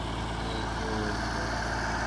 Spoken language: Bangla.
রাগ কইরেন না।